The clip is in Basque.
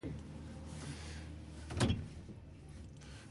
Gustu guztietarako ikuskizunak izango dira.